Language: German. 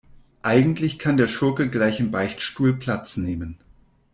Eigentlich kann der Schurke gleich im Beichtstuhl Platz nehmen.